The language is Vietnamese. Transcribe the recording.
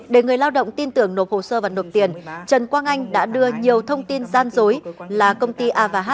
để người lao động tin tưởng nộp hồ sơ và nộp tiền trần quang anh đã đưa nhiều thông tin gian dối là công ty a h